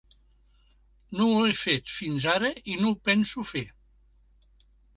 No ho he fet fins ara i no ho penso fer.